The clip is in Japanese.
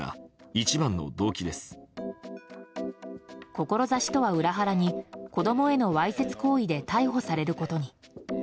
志とは裏腹に子供へのわいせつ行為で逮捕されることに。